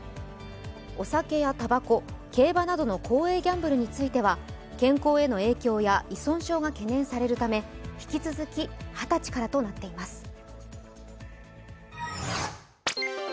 お酒やたばこ、競馬などの公営ギャンブルについては健康への影響や依存症が懸念されるため引き続き二十歳からとなっています。